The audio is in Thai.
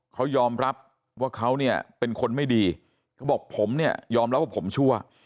เขายอมรับว่าเขาเนี่ยเป็นคนไม่ดีเขาบอกผมเนี่ยยอมรับว่าผมชั่ว